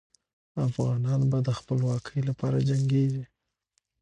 افغانان به د خپلواکۍ لپاره جنګېږي.